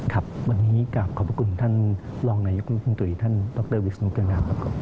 ครับวันนี้กลับขอบคุณท่านรองนายกรุงตุรีท่านดรวิศนุเครงามครับ